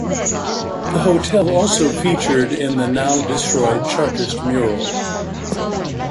The hotel also featured in the now-destroyed Chartist Mural.